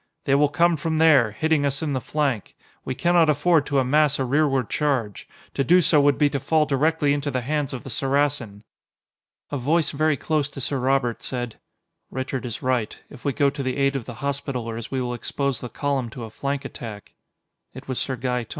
"They will come from there, hitting us in the flank; we cannot afford to amass a rearward charge. To do so would be to fall directly into the hands of the Saracen." A voice very close to Sir Robert said: "Richard is right. If we go to the aid of the Hospitallers, we will expose the column to a flank attack." It was Sir Gaeton.